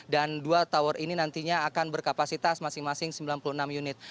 dan dua tower ini nantinya akan berkapasitas masing masing sembilan puluh enam unit